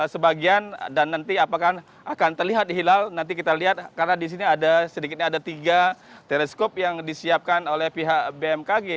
sebagian dan nanti apakah akan terlihat hilal nanti kita lihat karena di sini ada sedikitnya ada tiga teleskop yang disiapkan oleh pihak bmkg